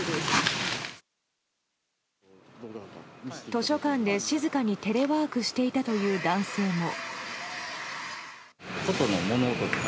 図書館で静かにテレワークしていたという男性も。